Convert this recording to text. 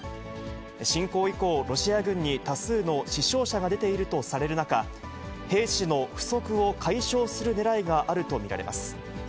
侵攻以降、ロシア軍に多数の死傷者が出ているとされる中、兵士の不足を解消するねらいがあると見られます。